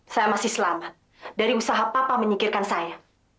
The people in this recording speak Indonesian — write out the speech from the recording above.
saya masih selamat dari usaha papa menyikirkan saya